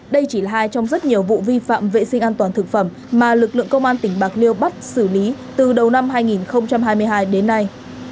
đây chỉ là hai trong rất nhiều vụ vi phạm vệ sinh an toàn thực phẩm mà lực lượng công an tỉnh bạc liêu bắt xử lý từ đầu năm hai nghìn hai mươi hai đến nay